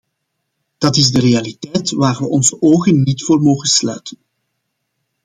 Dat is de realiteit waar we onze ogen niet voor mogen sluiten.